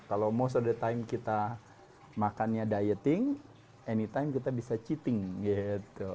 kalau most of the time kita makannya dietting anytime kita bisa cheating gitu